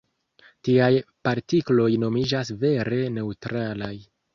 Tiaj partikloj nomiĝas "vere neŭtralaj".